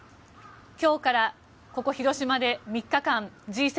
今日から、ここ広島で３日間Ｇ７